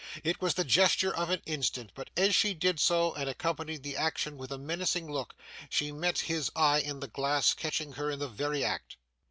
It was the gesture of an instant, but as she did so and accompanied the action with a menacing look, she met his eye in the glass, catching her in the very act.